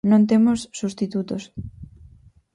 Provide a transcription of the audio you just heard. Non temos substitutos.